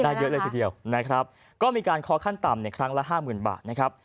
ได้เยอะเลยทีเดียวนะครับก็มีการขอขั้นต่ำครั้งละ๕๐๐๐๐บาทนะครับ